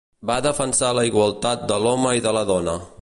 Va defensar la igualtat de l'home i de la dona.